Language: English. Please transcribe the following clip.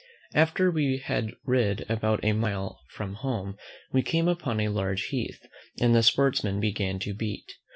After we had rid about a mile from home, we came upon a large heath, and the sportsmen began to beat.